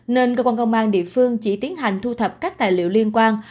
nên cơ quan công an địa phương chỉ tiến hành thu thập các tài liệu liên quan